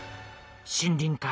森林か。